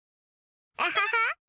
アハハ！